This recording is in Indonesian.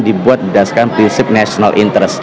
dibuat berdasarkan prinsip national interest